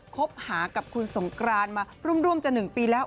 คบหากับคุณสงกรานมาร่วมจะ๑ปีแล้ว